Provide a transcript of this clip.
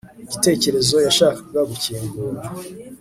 Igitekerezo yashakaga gukingura